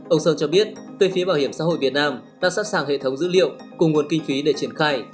ông sơn cho biết về phía bảo hiểm xã hội việt nam đã sẵn sàng hệ thống dữ liệu cùng nguồn kinh phí để triển khai